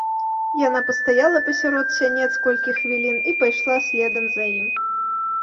Яна пастаяла пасярод сянец колькі хвілін і пайшла следам за ім.